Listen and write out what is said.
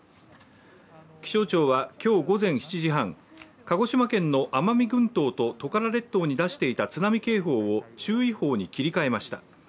気象庁は今日午前７時半、鹿児島県の奄美群島とトカラ列島に出していた警報を注意報に切り替えました。